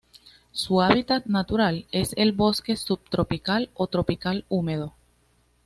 Su hábitat natural es el bosque subtropical o tropical húmedo.